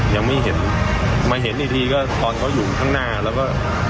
ยังไม่เห็นมาเห็นอีกทีก็ตอนเขาอยู่ข้างหน้าแล้วก็